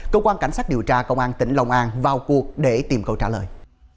cơ quan cảnh sát điều tra công an tỉnh lòng an vào cuộc để tìm câu trả lời